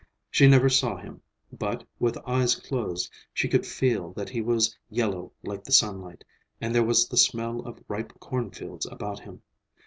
She never saw him, but, with eyes closed, she could feel that he was yellow like the sunlight, and there was the smell of ripe cornfields about him.